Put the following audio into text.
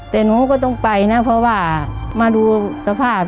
แต่หนูก็ต้องไปนะเพราะว่ามาดูสภาพ